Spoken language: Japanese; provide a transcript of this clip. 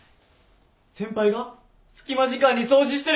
先輩が隙間時間に掃除してる！